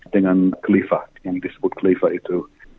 dengan klifa yang disebut klifa itu